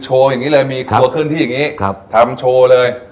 อย่างนี้เลยมีครัวขึ้นที่อย่างนี้ทำโชว์เลย